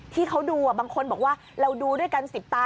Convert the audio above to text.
ที่เขาดูบางคนบอกว่าเราดูด้วยกัน๑๐ตา